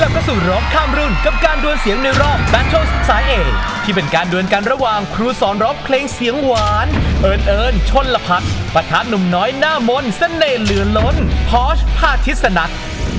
เข้าสู่ร้องข้ามรุ่นกับการดวนเสียงในรอบแบตเทิลศึกษาเอที่เป็นการดวนกันระหว่างครูสอนร้องเพลงเสียงหวานเอิญเอิญชนละพัดปะทะหนุ่มน้อยหน้ามนต์เสน่ห์เหลือล้นพอชพาทิศนัก